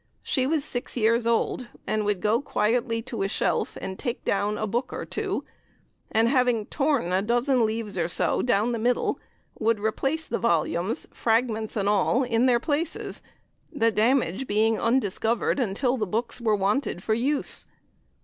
She was six years old, and would go quietly to a shelf and take down a book or two, and having torn a dozen leaves or so down the middle, would replace the volumes, fragments and all, in their places, the damage being undiscovered until the books were wanted for use.